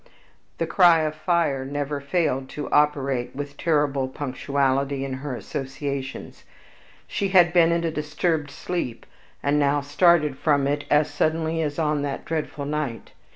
The cry of fire never failed to operate with terrible punctuality on her associations. She had been in a disturbed sleep, and now started from it as suddenly as on that dreadful night.